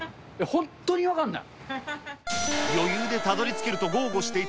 本当に分かんない。